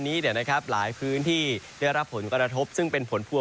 นี้เนี่ยก็ครับหลายพื้นที่ได้รับผลการทบซึ่งเป็นผลภวน